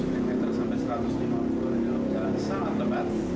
seratus mm sampai satu ratus lima puluh adalah hujan sangat lebat